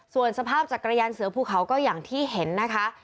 ส่วนสภาพจักรยานเสือภูเขาก็อย่างที่เห็นนะคะ